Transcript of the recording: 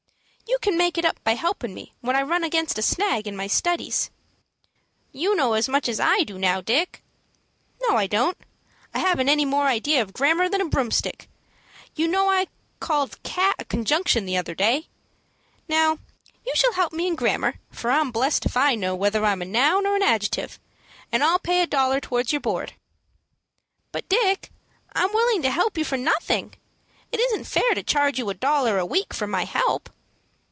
"You can make it up by helpin' me when I run against a snag, in my studies." "You know as much as I do now, Dick." "No, I don't. I haven't any more ideas of grammar than a broomstick. You know I called 'cat' a conjunction the other day. Now, you shall help me in grammar, for I'm blessed if I know whether I'm a noun or an adjective, and I'll pay a dollar towards your board." "But, Dick, I'm willing to help you for nothing. It isn't fair to charge you a dollar a week for my help."